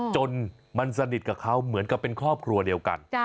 จนมันสนิทกับเขาเหมือนกับเป็นครอบครัวเดียวกัน